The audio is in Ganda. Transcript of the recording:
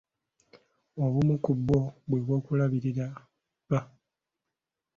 Obumu ku bwo bwe bw’okulabirira bba.